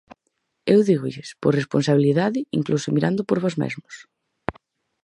Eu dígolles, por responsabilidade, incluso mirando por vós mesmos.